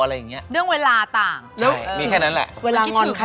อะไรอย่างนี้เวลาทำงานของเขาเป็นเวลาว่างของเรา